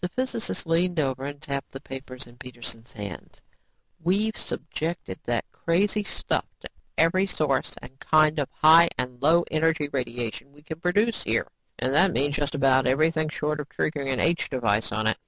The physicist leaned over and tapped the papers in Peterson's hands. "We've subjected that crazy stuff to every source and kind of high and low energy radiation we can produce here and that means just about everything short of triggering an H device on it.